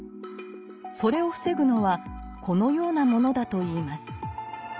それを防ぐのはこのようなものだといいます。